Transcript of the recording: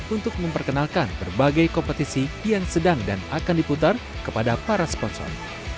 untuk memperkenalkan berbagai kompetisi yang sedang dan akan diputar kepada para sponsor